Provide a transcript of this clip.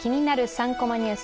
３コマニュース」。